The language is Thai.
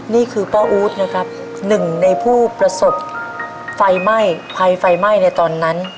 นี่คือป้าอู๊ดนะครับหนึ่งในผู้ประสบภัยไหม้ภัยไฟไฟไหม้ในตอนนั้น